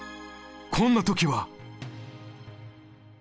こんな時は。